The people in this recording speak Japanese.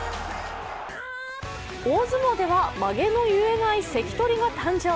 大相撲では、まげの結えない関取が誕生。